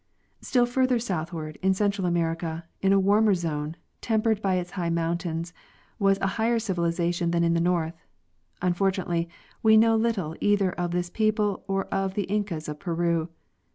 Still further southward, in Central America, in a warmer zone, tem pered by its high mountains, was a higher civilization than in the north. Unfortunately, we know little either of this people or of the Incas of Peru.